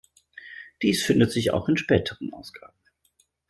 Dies findet sich auch in späteren Ausgaben.